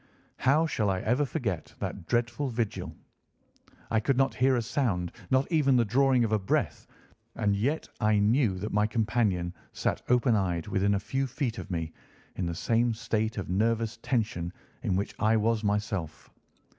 How shall I ever forget that dreadful vigil? I could not hear a sound, not even the drawing of a breath, and yet I knew that my companion sat open eyed, within a few feet of me, in the same state of nervous tension in which I was myself.